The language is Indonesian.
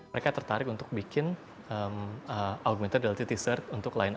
mereka tertarik untuk bikin augmented reality t shirt untuk line up